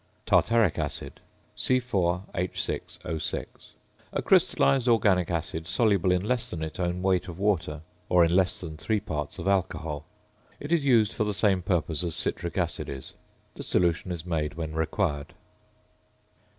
~Tartaric Acid~, H_[=T] or C_H_O_. A crystallised organic acid, soluble in less than its own weight of water, or in less than three parts of alcohol. It is used for the same purposes as citric acid is. The solution is made when required.